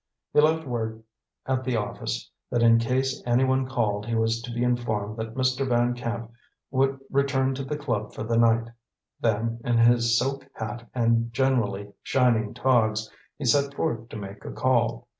He left word at the office that in case any one called he was to be informed that Mr. Van Camp would return to the club for the night; then, in his silk hat and generally shining togs, he set forth to make a call.